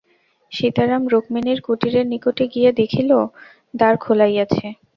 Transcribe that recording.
সীতারাম রুক্মিণীর কুটিরের নিকটে গিয়া দেখিল, দ্বার খোলাই আছে।